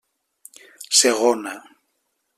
Segona.